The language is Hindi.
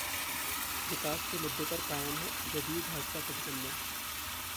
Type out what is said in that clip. विकास के मुद्दे पर कायम है जदयू-भाजपा गठबंधन